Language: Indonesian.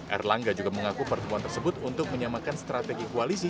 erlangga juga mengaku pertemuan tersebut untuk menyamakan strategi koalisi